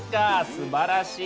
すばらしい。